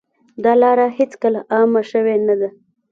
دا لاره هېڅکله عامه شوې نه ده.